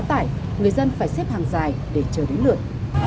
tải người dân phải xếp hàng dài để chờ đến lượt